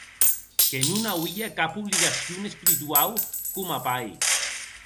Que non auie cap obligacion espirituau coma pair.